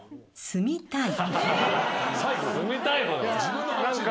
住みたい。